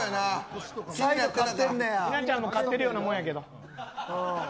稲ちゃんも勝ってるようなもんやけど。